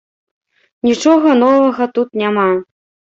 Нічога новага тут няма.